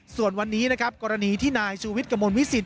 ส่วนวันนี้นะครับกรณีที่นายชูวิทย์กระมวลวิสิต